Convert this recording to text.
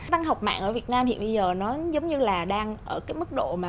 văn học mạng ở việt nam hiện bây giờ nó giống như là đang ở cái mức độ mà